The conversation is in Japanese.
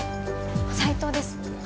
斉藤です